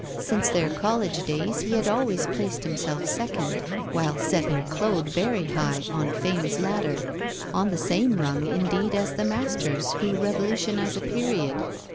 Since their college days, he had always placed himself second, while setting Claude very high on fame's ladder on the same rung, indeed, as the masters who revolutionise a period.